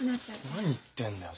何言ってんだよ。